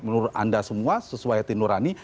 menurut anda semua sesuai hati nurani